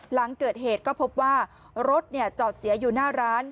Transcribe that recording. หลังเกิดเหตุก็พบว่ารถจอดเสียอยู่หน้าร้าน